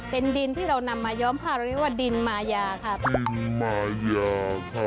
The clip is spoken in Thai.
เป็นดินที่เรานำมาย้อมผ้าเราเรียกว่าดินมายาครับ